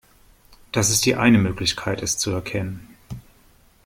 Das ist die eine Möglichkeit, es zu erkennen.